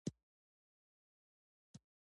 غزني د ټولو افغان ښځو په ژوند کې مهم رول لري.